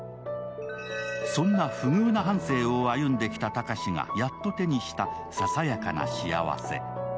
そんな不遇な反省を歩んできた高志がやっと手にしたささやかな幸せ。